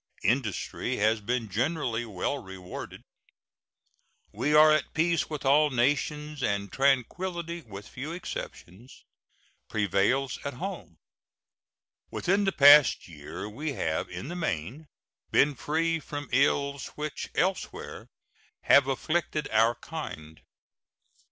Industry has been generally well rewarded. We are at peace with all nations, and tranquillity, with few exceptions, prevails at home. Within the past year we have in the main been free from ills which elsewhere have afflicted our kind.